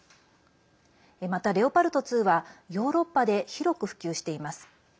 また、レオパルト２はヨーロッパで広く普及しています。